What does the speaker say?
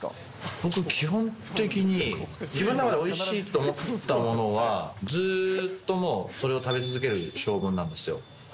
僕、基本的においしいと思ったものは、ずーっともうそれを食べ続ける性分なんですよ。